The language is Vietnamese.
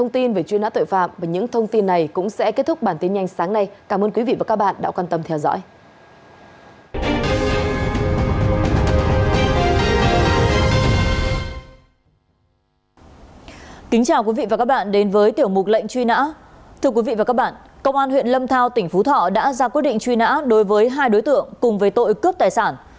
tp huế đã ra quyết định truy nã đối với hai đối tượng cùng với tội cướp tài sản